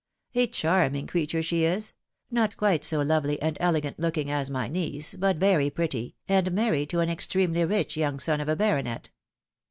A charming creature she is — not quite so lovely and elegant looking as my niece, but very pretty, and married to an extremely rich young son of a baronet.